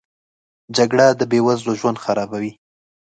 جګړه د بې وزلو ژوند خرابوي